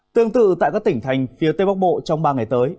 tương tự tại các tỉnh thành phía tây bắc bộ trong ba ngày tới